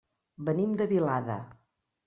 Venim de Vilada.